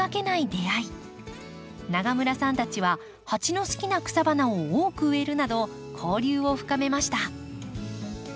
永村さんたちはハチの好きな草花を多く植えるなど交流を深めました。